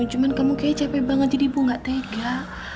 cuma kamu kayaknya capek banget jadi ibu gak tega